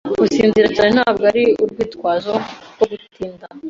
Gusinzira cyane ntabwo ari urwitwazo rwo gutinda.